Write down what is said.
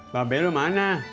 babel lu mana